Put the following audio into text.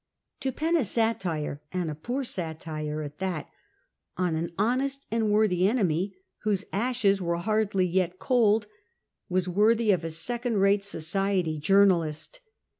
To pen a satire — and a poor satire at that — on an honest and worthy enemy, whose ashes were hardly yet cold, was worthy of a second rate society journalist.